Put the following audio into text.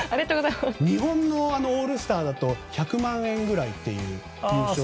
日本のオールスターだと１００万円くらいっていう優勝賞金。